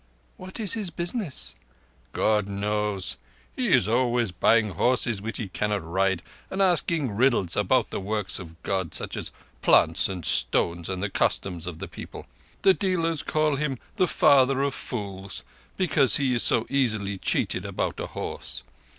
"What is his business?" "God knows. He is always buying horses which he cannot ride, and asking riddles about the works of God—such as plants and stones and the customs of people. The dealers call him the father of fools, because he is so easily cheated about a horse.